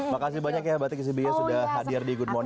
makasih banyak ya mbak atik sibi sudah hadir di good morning